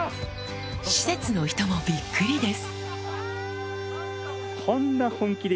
施設の人もびっくりです